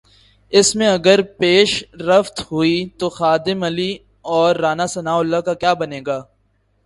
اس میں اگر پیش رفت ہوئی تو خادم اعلی اور رانا ثناء اللہ کا کیا بنے گا؟